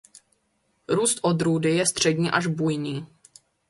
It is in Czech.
Růst odrůdy je střední až bujný.